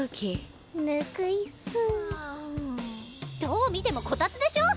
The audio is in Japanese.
どう見てもこたつでしょ！